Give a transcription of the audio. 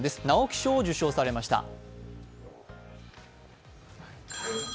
直木賞を受賞されました。